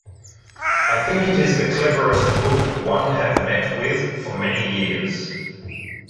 I think it the cleverest book one have met with for many years.